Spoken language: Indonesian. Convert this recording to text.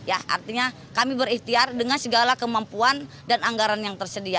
artinya kami berikhtiar dengan segala kemampuan dan anggaran yang tersedia